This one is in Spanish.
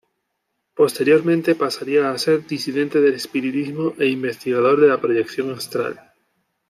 Posteriormente pasaría a ser disidente del espiritismo e investigador de la proyección astral.